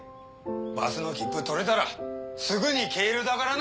バスの切符とれたらすぐにけえるだからな。